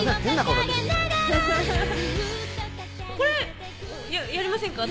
これやりませんか？